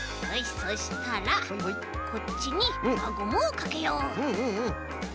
そしたらこっちにわゴムをかけよう！